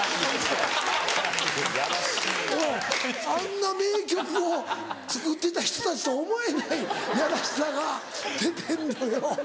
あんな名曲を作ってた人たちと思えないいやらしさが出てんのよ。